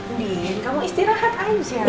udin kamu istirahat aja